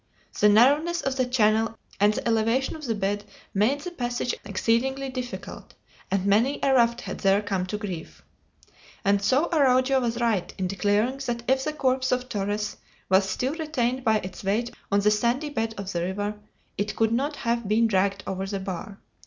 The narrowness of the channel and the elevation of the bed made the passage exceedingly difficult, and many a raft had there come to grief. And so Araujo was right in declaring that if the corpse of Torres was still retained by its weight on the sandy bed of the river, it could not have been dragged over the bar.